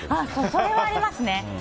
それはありますね。